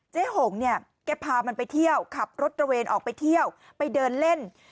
หงเนี่ยแกพามันไปเที่ยวขับรถตระเวนออกไปเที่ยวไปเดินเล่น